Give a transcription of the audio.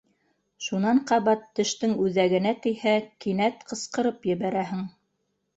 Шунан ҡабат тештең үҙәгенә тейһә, кинәт ҡысҡырып ебәрәһең.